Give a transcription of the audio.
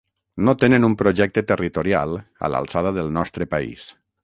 No tenen un projecte territorial a l’alçada del nostre país.